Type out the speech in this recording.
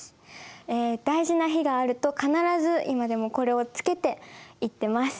え大事な日があると必ず今でもこれをつけて行ってます。